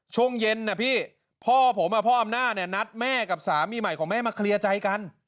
ช่วงเย็นนะพี่พ่อผมพ่ออำนาจเนี่ยนัดแม่กับสามีใหม่ของแม่มาเคลียร์ใจกัน